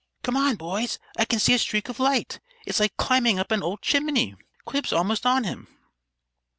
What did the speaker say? "Come on, boys! I can see a streak of light. It's like climbing up an old chimney. Quib's almost on him."